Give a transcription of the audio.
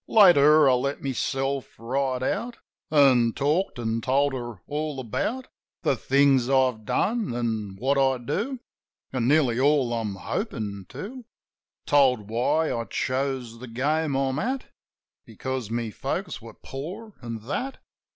Later, I let myself right out, An' talked; an' told her all about The things I've done, an' what I do. An' nearly all I'm hopin' to. Told why I chose the game I'm at Because my folks were poor, an' that.